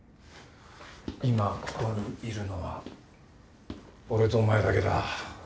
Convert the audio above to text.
今ここにいるのは俺とお前だけだ。